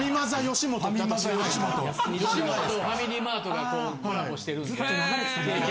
吉本とファミリーマートがコラボしてるんで。